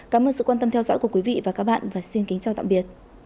cảm ơn các bạn đã theo dõi và hẹn gặp lại